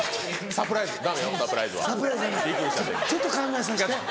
サプライズダメちょっと考えさせて。